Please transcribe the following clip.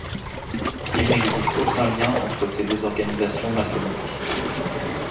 Il n'existe aucun lien entre ces deux organisations maçonniques.